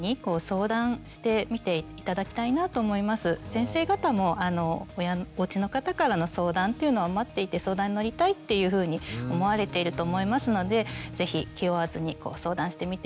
先生方もおうちの方からの相談というのは待っていて相談に乗りたいっていうふうに思われていると思いますので是非気負わずに相談してみてはというふうに思います。